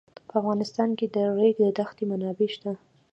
په افغانستان کې د د ریګ دښتې منابع شته.